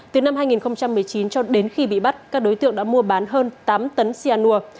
từ năm hai nghìn một mươi chín cho đến khi bị bắt các đối tượng đã mua bán hơn tám tấn xyanur